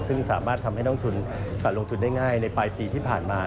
ซึ่งสามารถทำให้น้องทุนลงทุนได้ง่ายในปลายปีที่ผ่านมา